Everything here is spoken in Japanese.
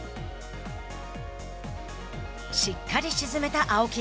しっかり沈めた青木。